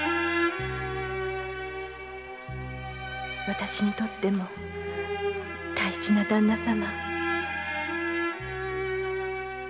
私にとっても大事な旦那様